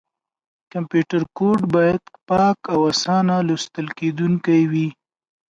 کمپیوټر کوډ باید پاک او اسانه لوستل کېدونکی وي.